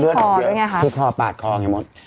เลือดออกเยอะที่คอปาดคอไงหมด